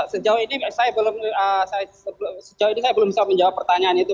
sejauh ini saya belum bisa menjawab pertanyaan itu